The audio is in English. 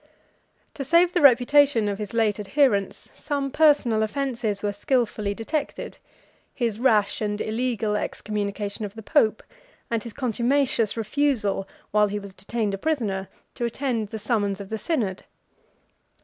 To save the reputation of his late adherents, some personal offences were skilfully detected; his rash and illegal excommunication of the pope, and his contumacious refusal (while he was detained a prisoner) to attend to the summons of the synod.